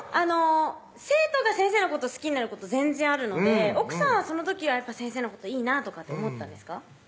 生徒が先生のこと好きになること全然あるので奥さんはその時は先生のこといいなとか思ってたんですか？